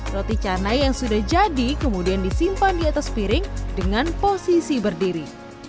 roti canai yang sudah jadi kemudian disimpan di atas piring dengan posisi berdiri